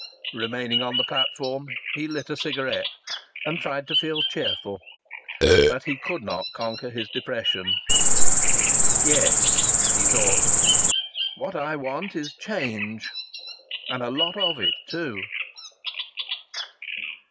Remaining on the platform he lit a cigarette and tried to feel cheerful. But he could not conquer his depression. "Yes," he thought, "what I want is change and a lot of it, too!"